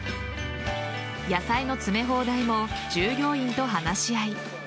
野菜の詰め放題も従業員と話し合い。